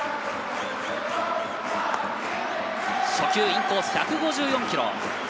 初球、インコース、１５４キロ。